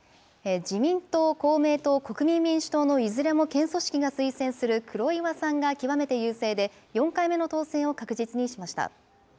自民党、公明党、国民民主党のいずれも県組織が推薦する黒岩さんが極めて優勢で、４回目の当選を確実にしました。